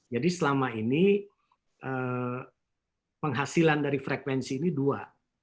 jadi selama ini penghasilan dari frekuensi ini dua